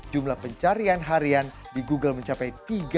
jumlah pencarian harian di google mencapai tiga